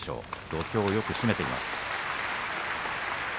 土俵をよく締めています。